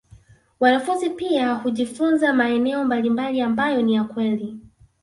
Wanafunzi pia hujifunza maeneo mbalimbali ambayo ni ya kweli